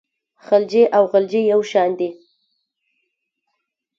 خلجي او غلجي یو شان دي.